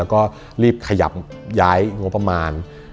แล้วก็รีบขยับย้ายงบประมาณ